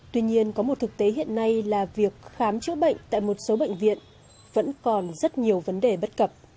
tuy nhiên có một thực tế hiện nay là việc khám chữa bệnh tại một số bệnh viện vẫn còn rất nhiều vấn đề bất cập